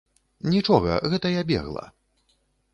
Нічога, гэта я бегла.